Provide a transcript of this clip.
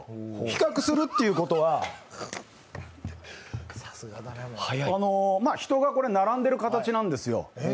比較するっていうことは、これ、人が並んでる形なんですよ。